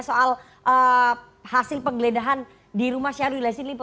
soal hasil penggeledahan di rumah syahrul ilai sinlimpo